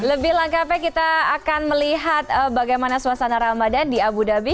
lebih lengkapnya kita akan melihat bagaimana suasana ramadan di abu dhabi